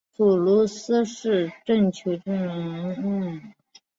土鲁斯市政球场是法国土鲁斯最大的多功能体育场。